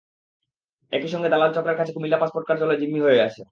একই সঙ্গে দালাল চক্রের কাছে কুমিল্লা পাসপোর্ট কার্যালয় জিম্মি হয়ে আছে।